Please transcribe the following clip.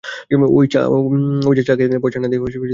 ঐ যে চা খেয়ে পয়সা না দিয়ে চলে গেলাম!